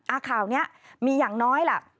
ข่าวนี้มีอย่างน้อยล่ะ